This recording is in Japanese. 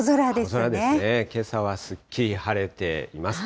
けさはすっきり晴れています。